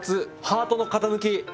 ハートの型抜き。